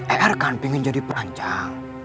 er kan pingin jadi penanjang